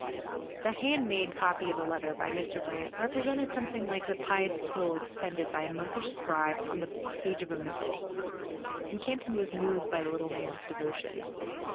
The "hand made" copy of a letter by Mr. Brant represented something like the pious toil expended by a monkish scribe on the page of a missal; and Camp ton was moved by the little man's devotion.